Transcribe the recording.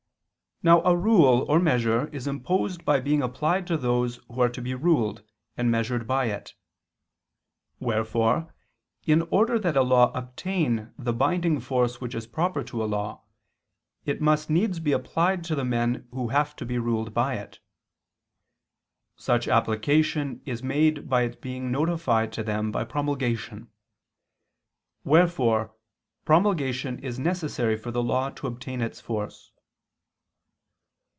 Now a rule or measure is imposed by being applied to those who are to be ruled and measured by it. Wherefore, in order that a law obtain the binding force which is proper to a law, it must needs be applied to the men who have to be ruled by it. Such application is made by its being notified to them by promulgation. Wherefore promulgation is necessary for the law to obtain its force.